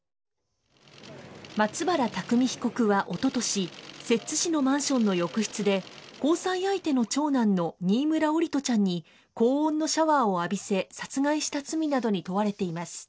松原拓海被告はおととし、摂津市のマンションの浴室で、交際相手の長男の新村桜利斗ちゃんに高温のシャワーを浴びせ、殺害した罪などに問われています。